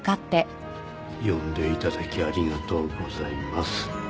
呼んでいただきありがとうございます。